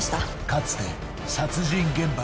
［かつて殺人現場にいた］